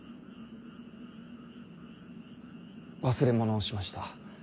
忘れ物をしました。